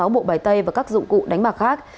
sáu bộ bài tay và các dụng cụ đánh bạc khác